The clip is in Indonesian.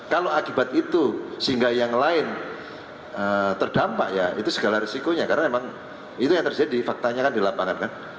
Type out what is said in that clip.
kalau akibat itu sehingga yang lain terdampak ya itu segala risikonya karena memang itu yang terjadi faktanya kan di lapangan kan